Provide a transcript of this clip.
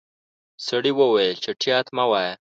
سړی وويل چټياټ مه وايه.